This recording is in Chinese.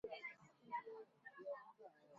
中国业界公认的打口源头是广东汕头的潮阳。